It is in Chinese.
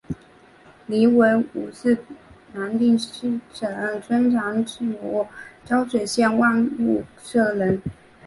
黎文敔是南定省春长府胶水县万禄社人。